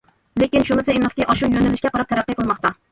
لېكىن شۇنىسى ئېنىقكى ئاشۇ يۆنىلىشكە قاراپ تەرەققىي قىلماقتا.